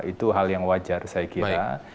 itu hal yang wajar saya kira